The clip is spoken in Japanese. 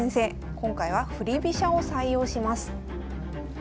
今回は振り飛車を採用します。